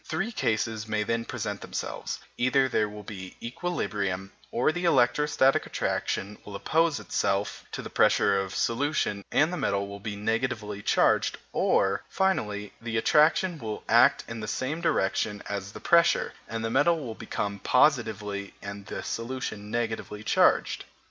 Three cases may then present themselves either there will be equilibrium, or the electrostatic attraction will oppose itself to the pressure of solution and the metal will be negatively charged, or, finally, the attraction will act in the same direction as the pressure, and the metal will become positively and the solution negatively charged.